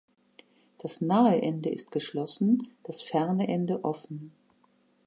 Das nahe Ende ist geschlossen, das ferne Ende offen.